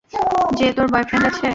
যে তোর বয়ফ্রেন্ড আছে?